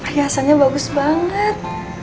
perhiasannya bagus banget